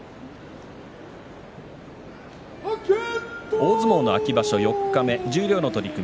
大相撲秋場所四日目十両の取組